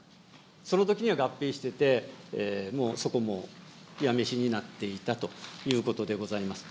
そのときには合併してて、もうそこも八女市になっていたということでございます。